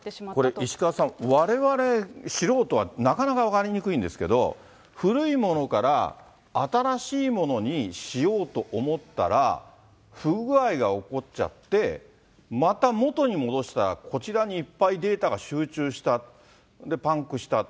これ、石川さん、われわれ素人はなかなか分かりにくいんですけど、古いものから新しいものにしようと思ったら、不具合が起こっちゃって、また元に戻したら、こちらにいっぱいデータが集中した、で、パンクした。